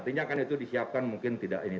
artinya kan itu disiapkan mungkin tidak ini